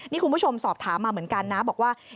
นี่คุณผู้ชมสอบถามมาเหมือนกันนะบอกว่า